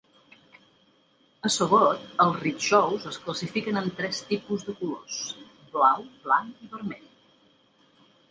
A Sogod, els "rickshaws" es classifiquen en tres tipus de colors: blau, blanc i vermell.